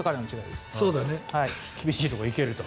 厳しいところに行けると。